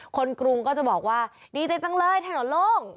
กรุงก็จะบอกว่าดีใจจังเลยถนนโล่ง